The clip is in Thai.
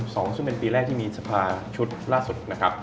ซึ่งเป็นปีแรกที่มีสภาชุดล่าสุดนะครับ